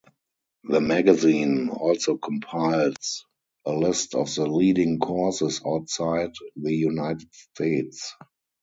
The magazine also compiles a list of the leading courses outside the United States.